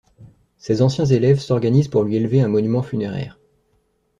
Ses anciens élèves s'organisent pour lui élever un monument funéraire.